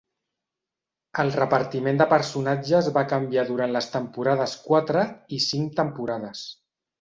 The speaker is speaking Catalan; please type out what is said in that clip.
El repartiment de personatges va canviar durant les temporades quatre i cinc temporades.